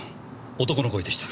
男の声でした。